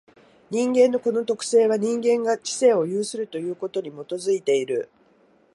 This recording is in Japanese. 人間のこの特性は、人間が知性を有するということに基いている。